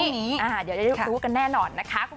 เดี๋ยวจะได้รู้กันแน่นอนนะคะ